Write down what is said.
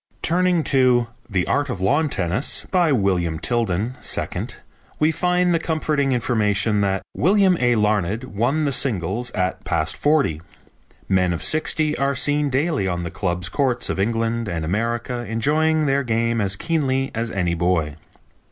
Turning to The Art of Lawn Tennis, by William Tilden, 2nd, we find the comforting information that "William A. Larned won the singles at past forty. Men of sixty are seen daily on the clubs' courts of England and America enjoying their game as keenly as any boy.